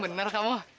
yang bener kamu